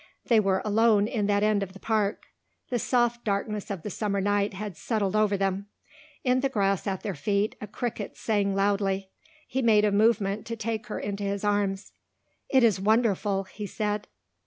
They were alone in that end of the park. The soft darkness of the summer night had settled over them. In the grass at their feet a cricket sang loudly. He made a movement to take her into his arms. "It is wonderful," he said.